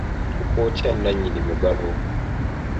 Ofuuka otya nannyini mugabo?